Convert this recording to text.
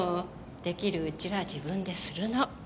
出来るうちは自分でするの。